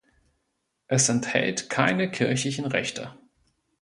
Es enthält keine kirchlichen Rechte.